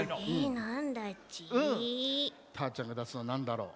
たーちゃんがだすのなんだろう。